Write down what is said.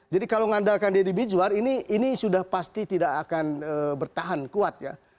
jadi kalau ngandalkan deddy mizwar ini sudah pasti tidak akan bertahan kuat ya